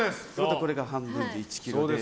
これが半分で１ｋｇで。